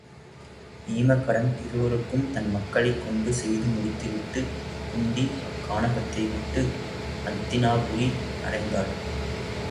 ஈமக்கடன் இருவருக்கும் தன் மக்களைக் கொண்டு செய்து முடித்துவிட்டுக் குந்தி அக்கானகத்தை விட்டு அத் தினாபுரி அடைந்தாள்.